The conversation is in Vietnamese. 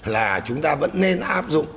là chúng ta vẫn nên áp dụng